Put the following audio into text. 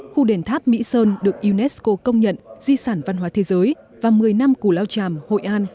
khu đền tháp mỹ sơn được unesco công nhận di sản văn hóa thế giới và một mươi năm củ lao tràm hội an